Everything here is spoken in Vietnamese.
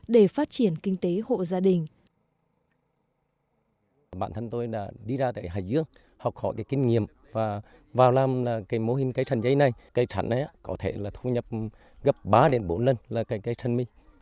để phát triển kinh tế hộ gia đình